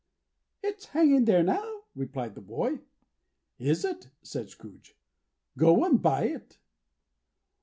"It's hanging there now," replied the boy. "Is it?" said Scrooge. "Go and buy it."